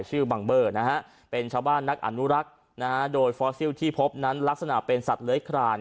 ชื่อบังเบอร์นะฮะเป็นชาวบ้านนักอนุรักษ์นะฮะโดยฟอสซิลที่พบนั้นลักษณะเป็นสัตว์เลื้อยคลาน